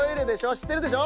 しってるでしょ！